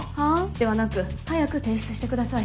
ではなく早く提出してください